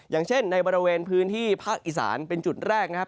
อย่างเช่นในบริเวณพื้นที่ภาคอีสานเป็นจุดแรกนะครับ